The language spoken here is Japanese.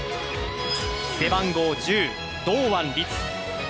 背番号１０・堂安律